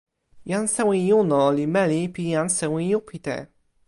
jan sewi Juno li meli pi jan sewi Jupite.